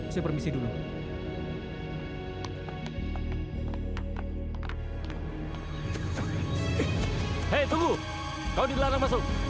dia sudah mengkhianati aku